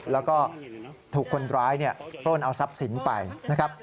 แล้วก็ถูกคนร้ายปล้นเอาทรัพย์สินไปนะครับ